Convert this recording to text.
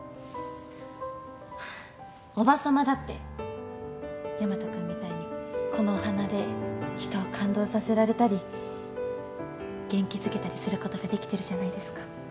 叔母さまだってヤマト君みたいにこのお花で人を感動させられたり元気づけたりすることができてるじゃないですか。